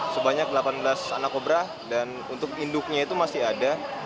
sebanyak delapan belas anak kobra dan untuk induknya itu masih ada